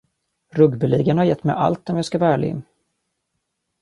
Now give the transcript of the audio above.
Rugbyligan har gett mig allt, om jag ska vara ärlig.